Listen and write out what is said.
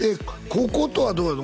こことはどうやの？